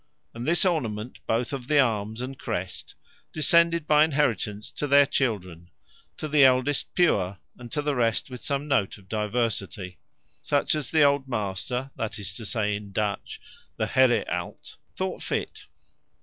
And his ornament both of the Armes, and Crest, descended by inheritance to their Children; to the eldest pure, and to the rest with some note of diversity, such as the Old master, that is to say in Dutch, the Here alt thought fit.